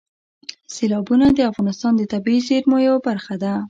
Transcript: سیلابونه د افغانستان د طبیعي زیرمو یوه برخه ده.